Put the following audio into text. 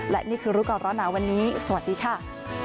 และนี่คือรู้ก่อนร้อนหนาวันนี้สวัสดีค่ะ